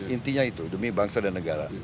intinya itu demi bangsa dan negara